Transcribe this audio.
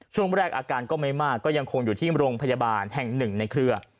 ช่วงแรกอาการก็ไม่มากก็ยังคงอยู่ที่โรงพยาบาลแห่งหนึ่งในเครือ